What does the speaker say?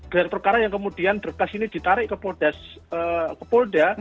dan berkara yang kemudian berkas ini ditarik ke polda